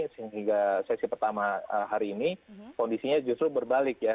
sehingga sesi pertama hari ini kondisinya justru berbalik ya